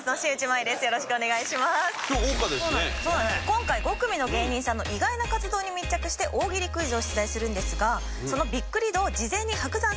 今回５組の芸人さんの意外な活動に密着して大喜利クイズを出題するんですがそのビックリ度を事前に伯山さんにランキングを付けてもらってます。